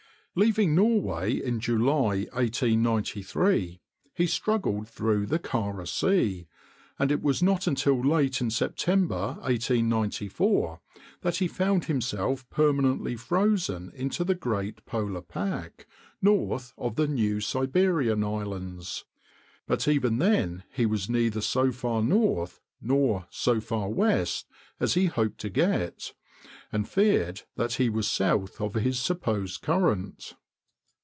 Leaving Norway in July, 1893, he struggled through the Kara Sea, and it was not until late in September, 1894, that he found himself permanently frozen into the great polar pack, north of the New Siberian Islands; but even then he was neither so far north nor so far west as he hoped to get, and feared that he was south of his supposed current.